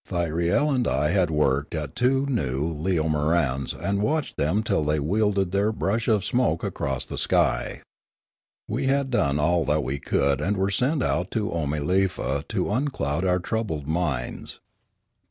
Thyriel and I had worked at two new leomorans and watched them till they wielded their brush of smoke across the sky. We had done all that we could and were sent out to Oomalefa to uncloud our troubled minds.